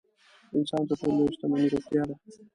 د انسان تر ټولو لویه شتمني روغتیا ده.